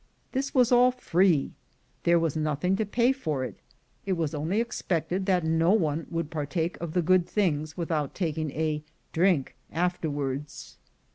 This was all free — there was LIFE AT HIGH SPEED 79 nothing to pay for it: it was only expected that no one would partake of the good things without taking a "drink" afterwards.